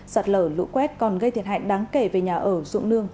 sạt lở lũ quét còn gây thiệt hại đáng kể về nhà ở dụng nương